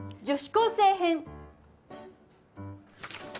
「女子高生編」